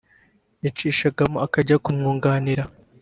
yacishagamo akajya kumwunganira